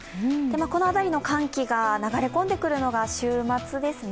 この辺りの寒気が流れ込んでくるのが週末ですね。